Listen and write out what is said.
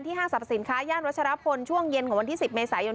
ห้างสรรพสินค้าย่านวัชรพลช่วงเย็นของวันที่๑๐เมษายน